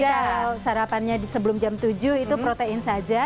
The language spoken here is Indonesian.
jadi kalau sarapannya sebelum jam tujuh itu protein saja